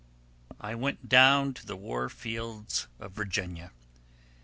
I went down to the war fields of Virginia